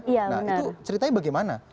nah itu ceritanya bagaimana